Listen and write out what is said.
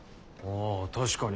あぁ確かに。